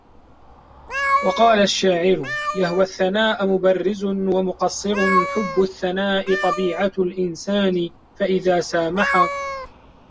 وَقَالَ الشَّاعِرُ يَهْوَى الثَّنَاءَ مُبَرِّزٌ وَمُقَصِّرٌ حُبُّ الثَّنَاءِ طَبِيعَةُ الْإِنْسَانِ فَإِذَا سَامَحَ